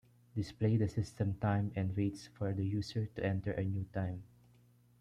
Display the system time and waits for the user to enter a new time.